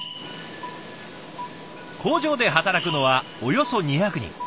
工場で働くのはおよそ２００人。